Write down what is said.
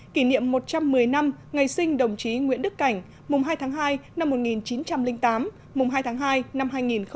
kỷ niệm một trăm một mươi năm ngày sinh đồng chí nguyễn đức cảnh mùng hai tháng hai năm một nghìn chín trăm linh tám mùng hai tháng hai năm hai nghìn một mươi chín